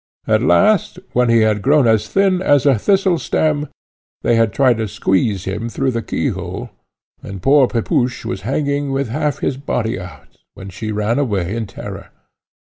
At last, when he had grown as thin as a thistle stem, they had tried to squeeze him through the keyhole, and the poor Pepusch was hanging with half his body out, when she ran away in terror.